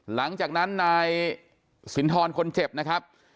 หลังจากนั้นนายสินทรคนเจ็บนะครับ